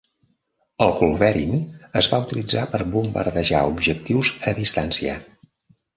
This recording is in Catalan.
El culverin es va utilitzar per bombardejar objectius a distància.